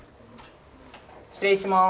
失礼します。